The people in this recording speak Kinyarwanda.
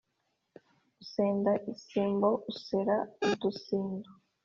usenda isimbo usera udusindu.